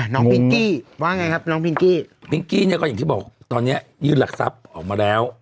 น้องว่าไงครับน้องเนี่ยก็อย่างที่บอกตอนเนี้ยยืนหลักทรัพย์ออกมาแล้ว